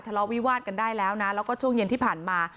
ทะเลาะวิวาดกันได้แล้วนะแล้วก็ช่วงเย็นที่ผ่านมา